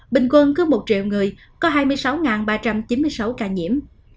bình quân cứ một triệu người có hai mươi sáu ba trăm chín mươi sáu ca nhiễm